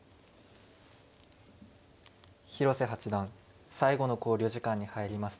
広瀬八段最後の考慮時間に入りました。